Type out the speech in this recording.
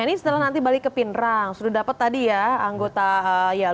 ini setelah nanti balik ke pindrang sudah dapat tadi ya anggota luar biasa